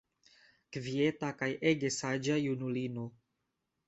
Kvieta kaj ege saĝa junulino.